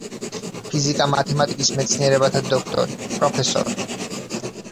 ფიზიკა-მათემატიკის მეცნიერებათა დოქტორი, პროფესორი.